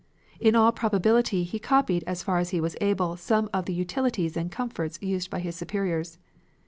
In all probability he copied as far as he was able some of the utilities and comforts used by his superiors.